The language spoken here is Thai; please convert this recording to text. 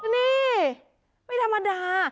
นี่ไม่ธรรมดา